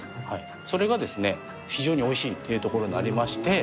それがですね、非常においしいっていうところになりまして。